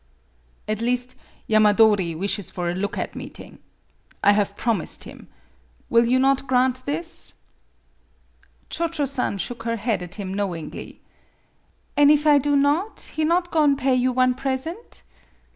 " At least, Yamadori wishes for a look at meeting. I have promised him. Will you not grant this ?" Cho Cho San shook her head at him knowingly. " An' if I do not, he not go'n' pay you one present